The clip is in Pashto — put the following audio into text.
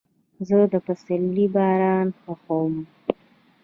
زه د پسرلي باران خوښوم.